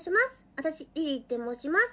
私、りりって申します。